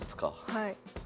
はい。